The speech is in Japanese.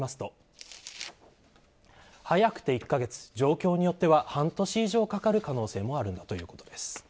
早くて１カ月、状況によっては半年以上かかる可能性もあるということです。